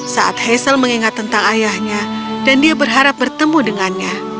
saat hazel mengingat tentang ayahnya dan dia berharap bertemu dengannya